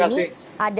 terima kasih yudi